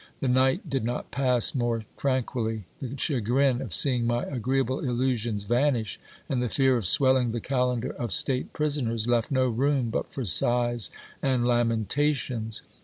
The night did not pass more tranquilly : the chagrin of seeing my agreeable illusions vanish, and the fear of swelling the calendar of state prisoners, left no room but for sighs and lamentations.